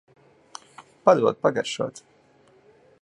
Padod pagaršot.